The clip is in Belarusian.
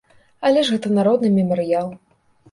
Але ж гэта народны мемарыял.